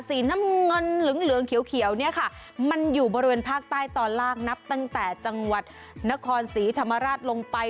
สีน้ำเงินเหลืองเหลืองเขียวเนี่ยค่ะมันอยู่บริเวณภาคใต้ตอนล่างนับตั้งแต่จังหวัดนครศรีธรรมราชลงไป